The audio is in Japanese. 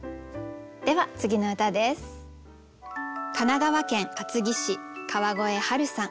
では次の歌です。